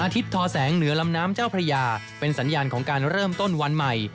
ทอแสงเหนือลำน้ำเจ้าพระยาเป็นสัญญาณของการเริ่มต้นวันใหม่